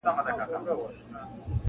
• د ښکاري به په ښکار نه سوې چمبې غوړي -